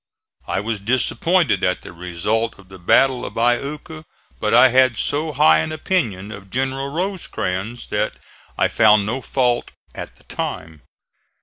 I was disappointed at the result of the battle of Iuka but I had so high an opinion of General Rosecrans that I found no fault at the time.